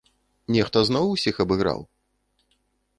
Нехта зноў усіх абыграў?